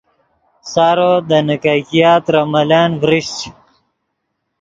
سارو دے نیکګیا ترے ملن ڤرشچ